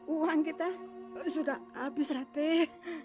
uang kita sudah habis rapih